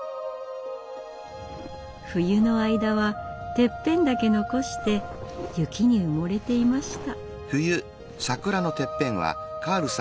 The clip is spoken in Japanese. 冬の間はてっぺんだけ残して雪に埋もれていました。